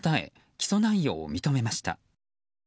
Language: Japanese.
起訴内容を認めました。